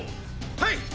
はい。